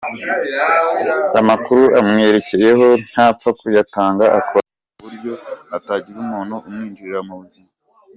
Amakuru amwerekeyeho ntapfa kuyatanga akora ku buryo hatagira umuntu umwinjirira mu buzima.